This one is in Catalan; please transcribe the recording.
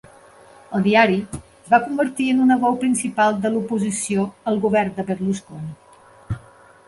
El diari es va convertir en una veu principal de l'oposició al govern de Berlusconi.